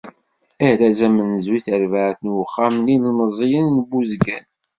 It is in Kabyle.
Arraz amenzu i terbaɛt n Uxxam n yilemẓiyen n Buzgan.